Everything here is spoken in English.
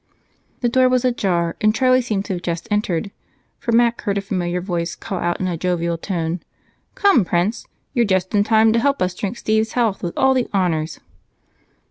The door was ajar, and Charlie seemed to have just entered, for Mac heard a familiar voice call out in a jovial tone: "Come, Prince! You're just in time to help us drink Steve's health with all the honors."